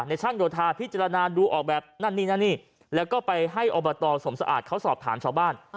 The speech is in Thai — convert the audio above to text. ช่างโยธาพิจารณาดูออกแบบนั่นนี่นั่นนี่แล้วก็ไปให้อบตสมสะอาดเขาสอบถามชาวบ้าน